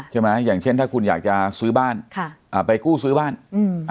อย่างเช่นถ้าคุณอยากจะซื้อบ้านค่ะอ่าไปกู้ซื้อบ้านอืม